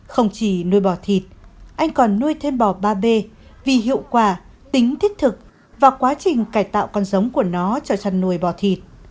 không chỉ nuôi bò thịt anh còn nuôi thêm bò ba b vì hiệu quả tính thiết thực và quá trình cải tạo con giống của nó cho chăn nuôi bò thịt